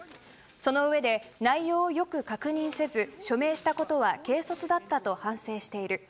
その上で、内容をよく確認せず署名したことは軽率だったと反省している。